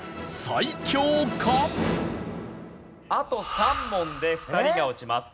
あと３問で２人が落ちます。